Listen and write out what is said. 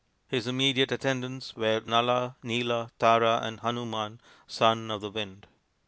His immediate attendants were Nala, Nila, Tara, and Hanuman, Son of the Wind.